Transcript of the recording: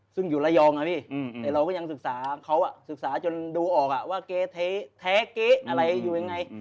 ซึ่งอยู่ระยองแต่เราก็ยังศึกษาศึกษาจนดูออกว่าเก๊แท๊เก๊อะไรอยู่ไหน